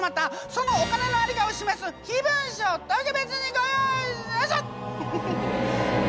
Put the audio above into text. そのお金のありかを示す秘文書を特別にご用意しました！